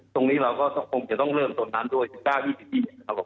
ตรงนี้เราก็จะต้องเริ่มตรงนั้นด้วย๑๙๒๐ปี